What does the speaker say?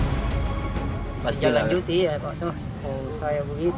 mas jalan juti ya kalau saya begitu